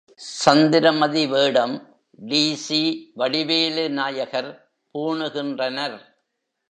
சந்திரமதி வேடம் டி.சி.வடிவேலு நாயகர் பூணுகின்றனர்.